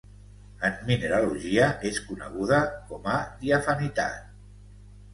En mineralogia és coneguda com a diafanitat.